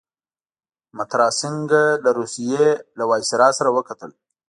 مترا سینګه له روسيې له ویسرا سره وکتل.